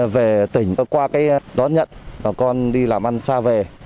về tỉnh qua đón nhận bà con đi làm ăn xa về